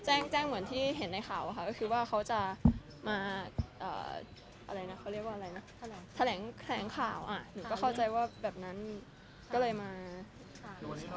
แจ้งแจ้งเหมือนที่เห็นในข่าวค่ะก็คือว่าเขาจะมาอะไรนะเขาเรียกว่าอะไรนะแถลงข่าวหนูก็เข้าใจว่าแบบนั้นก็เลยมาค่ะ